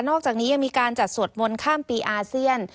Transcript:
อกจากนี้ยังมีการจัดสวดมนต์ข้ามปีอาเซียน